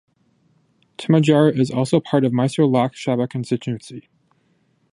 Chamaraja is also part of Mysore Lok Sabha constituency.